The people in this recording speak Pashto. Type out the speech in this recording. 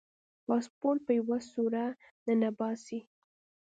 پاسپورټ په یوه سوړه ننباسي.